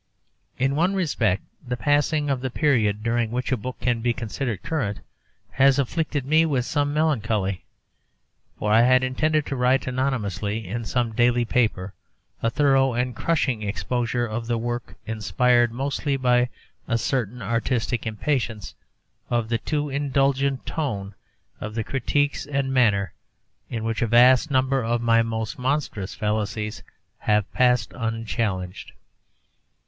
In one respect the passing of the period during which a book can be considered current has afflicted me with some melancholy, for I had intended to write anonymously in some daily paper a thorough and crushing exposure of the work inspired mostly by a certain artistic impatience of the too indulgent tone of the critiques and the manner in which a vast number of my most monstrous fallacies have passed unchallenged.